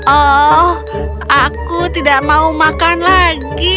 oh aku tidak mau makan lagi